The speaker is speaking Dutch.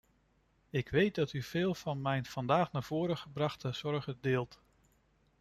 Ik weet dat u veel van mijn vandaag naar voren gebrachte zorgen deelt.